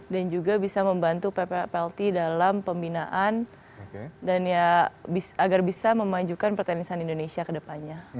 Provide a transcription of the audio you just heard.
dan juga bisa membantu plt dalam pembinaan dan ya agar bisa memajukan pertanian indonesia ke depannya